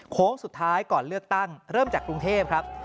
โค้งสุดท้ายก่อนเลือกตั้งเริ่มจากกรุงเทพครับ